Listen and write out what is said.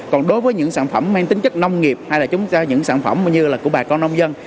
còn đối với những sản phẩm mang tính chất nông nghiệp hay là những sản phẩm của bà con nông dân